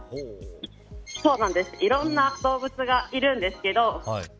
いろんな動物がいるんですけど。